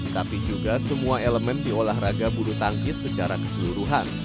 tapi juga semua elemen diolahraga bunuh tangkis secara keseluruhan